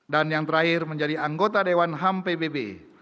dan yang terakhir menjadi anggota dewan ham pbb